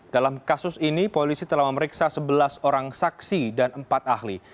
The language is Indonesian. dalam kasus ini polisi telah memeriksa sebelas orang saksi dan empat ahli